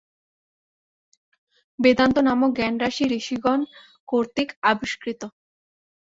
বেদান্ত নামক জ্ঞানরাশি ঋষিগণ কর্তৃক আবিষ্কৃত।